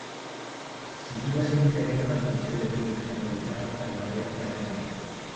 Sitúase nun pequeno alto cheo de pinos que aproveitaban para madeira e para leña.